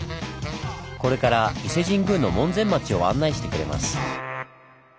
これから伊勢神宮の門前町を案内してくれます。